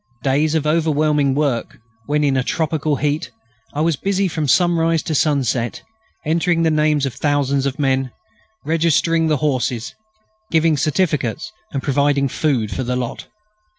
Days of overwhelming work, when, in a tropical heat, I was busy from sunrise to sunset, entering the names of thousands of men, registering the horses, giving certificates, and providing food for the lot.